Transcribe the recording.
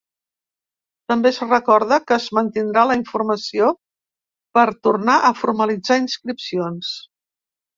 També es recorda que es mantindrà la informació per tornar a formalitzar inscripcions.